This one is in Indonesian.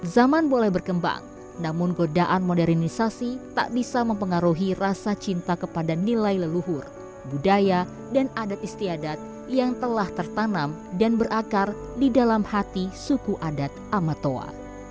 zaman boleh berkembang namun godaan modernisasi tak bisa mempengaruhi rasa cinta kepada nilai leluhur budaya dan adat istiadat yang telah tertanam dan berakar di dalam hati suku adat amatoa